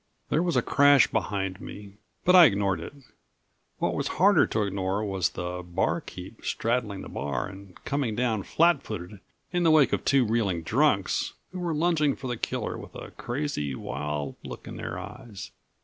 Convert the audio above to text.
There was a crash behind me, but I ignored it. What was harder to ignore was the barkeep straddling the bar and coming down flatfooted in the wake of two reeling drunks who were lunging for the killer with a crazy, wild look in their eyes.